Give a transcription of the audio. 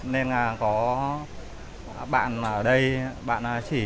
nên có bạn ở đây bạn chỉ